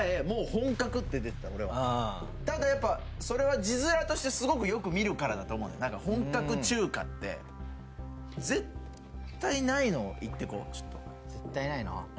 もう「本格」って出てた俺はただやっぱそれは字面としてすごくよく見るからだと思うのなんか「本格中華」って絶対ないのを言ってこうちょっと絶対ないの？